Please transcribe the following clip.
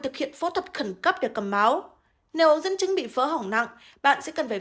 thực hiện phẫu thuật khẩn cấp để cầm máu nếu dân chứng bị vỡ hỏng nặng bạn sẽ cần phải